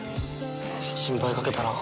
心配かけたな。